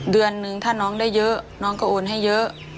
เดือนนึงถ้าน้องได้เยอะน้องก็โอนให้เยอะ